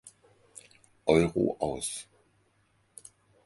Euro aus.